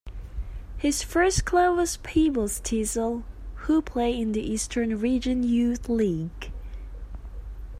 His first club was Peebles Thistle, who play in the Eastern Region Youth League.